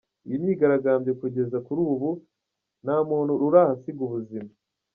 Iyo myigaragambyo kugeza kuri ubu nta muntu urahasiga ubuzima.